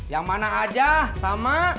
yang mana aja sama